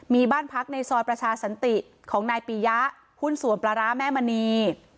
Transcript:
มีบ้านพักในซอยประชาสันติของนายปียะหุ้นส่วนปลาร้าแม่มณี